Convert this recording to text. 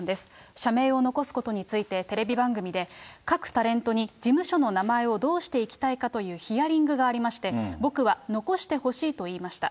社名を残すことについてテレビ番組で、各タレントに事務所の名前をどうしていきたいかというヒアリングがありまして、僕は残してほしいと言いました。